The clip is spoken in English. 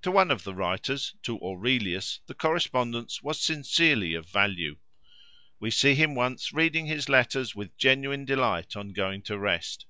To one of the writers, to Aurelius, the correspondence was sincerely of value. We see him once reading his letters with genuine delight on going to rest.